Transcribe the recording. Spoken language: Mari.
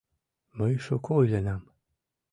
— Мый шуко иленам.